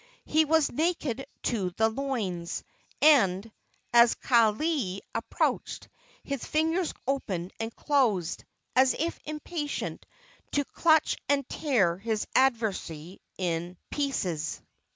He was naked to the loins, and, as Kaaialii approached, his fingers opened and closed, as if impatient to clutch and tear his adversary in pieces.